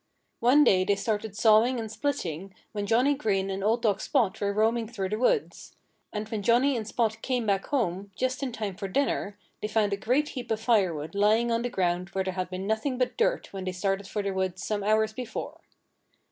One day they started sawing and splitting when Johnnie Green and old dog Spot were roaming through the woods. And when Johnnie and Spot came back home, just in time for dinner, they found a great heap of firewood lying on the ground where there had been nothing but dirt when they started for the woods some hours before.